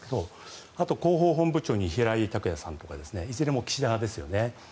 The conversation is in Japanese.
あと、広報本部長に平井卓也さんとかいずれも岸田派ですよね。